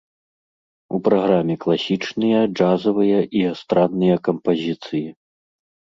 У праграме класічныя, джазавыя і эстрадныя кампазіцыі.